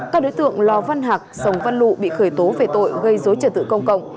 các đối tượng lò văn hạc sông văn lụ bị khởi tố về tội gây dối trật tự công cộng